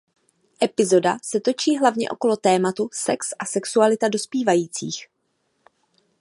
Epizoda se točí hlavně okolo tématu sex a sexualita dospívajících.